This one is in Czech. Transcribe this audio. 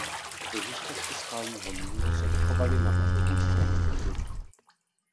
Pozůstatky skalního mlýna se dochovaly na východní straně údolí.